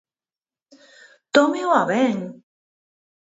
¡Tómeo a ben!